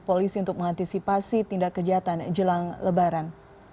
polisi untuk mengantisipasi tindak kejahatan jelang lebaran